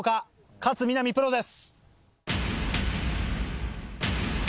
勝みなみプロです。